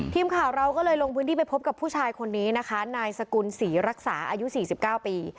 ทีมข่าวเราก็เลยลงพื้นที่ไปพบกับผู้ชายคนนี้นะคะนายสกุลศรีรักษาอายุ๔๙ปี